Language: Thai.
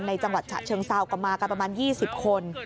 ในจังหวัดเฉอเชียงเซาค์ก็มากันประมาณ๒๐คน